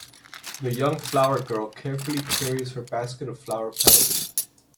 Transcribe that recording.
The young flower girl carefully carries her basket of flower petals.